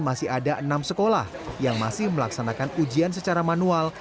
masih ada enam sekolah yang masih melaksanakan ujian secara manual